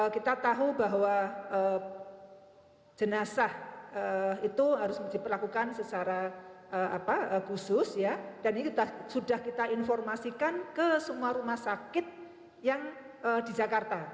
kita tahu bahwa jenazah itu harus diperlakukan secara khusus dan ini sudah kita informasikan ke semua rumah sakit yang di jakarta